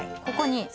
ここに？